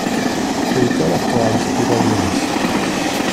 Su editor actual es Peter Willis.